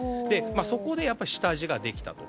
そこで下地ができたと。